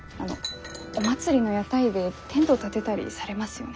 お祭りの屋台でテントを立てたりされますよね？